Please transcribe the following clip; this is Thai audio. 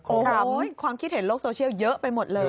โอ้โหความคิดเห็นโลกโซเชียลเยอะไปหมดเลย